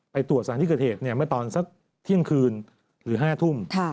ไปตรวจสถานที่เกิดเหตุเมื่อตอนสักเที่ยงคืนหรือ๕ทุ่ม